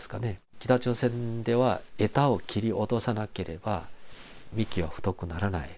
北朝鮮では、枝を切り落とさなければ、幹は太くならない。